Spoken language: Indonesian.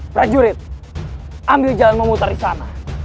prajurit ambil jalan memutar di sana